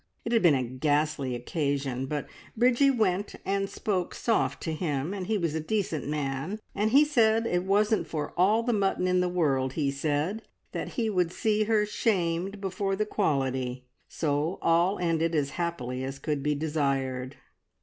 It had been a ghastly occasion, but Bridgie went and "spoke soft to him," and he was a decent man, and he said it wasn't for "all the mutton in the world," he said, that he would see her shamed before the quality, so all ended as happily as could be desired!